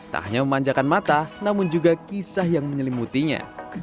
tak hanya memanjakan mata namun juga kisah yang menyelimutinya